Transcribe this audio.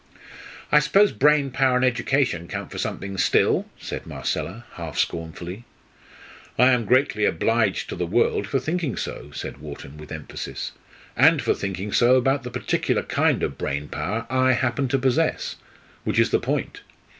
"I suppose brain power and education count for something still?" said Marcella, half scornfully. "I am greatly obliged to the world for thinking so," said Wharton with emphasis, "and for thinking so about the particular kind of brain power I happen to possess, which is the point.